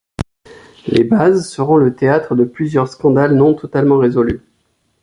Les bases seront le théâtre de plusieurs scandales non totalement résolus.